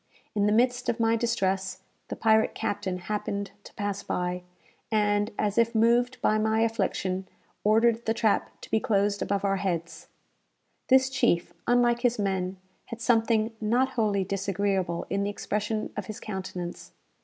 In the midst of my distress the pirate captain happened to pass by, and, as if moved by my affliction, ordered the trap to be closed above our heads. This chief, unlike his men, had something not wholly disagreeable in the expression of his countenance.